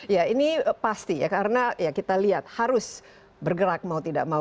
ya ini pasti ya karena ya kita lihat harus bergerak mau tidak mau